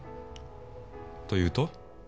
というと？